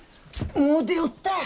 もう出よった。